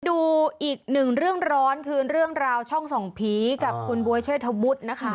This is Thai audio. ดูอีกหนึ่งเรื่องร้อนคือเรื่องราวช่องส่องผีกับคุณบ๊วยเชษฐวุฒินะคะ